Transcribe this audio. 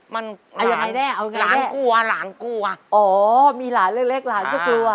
มันหลานกลัวหลานกลัวอ๋อมีหลานเล็กเล็กหลานก็กลัว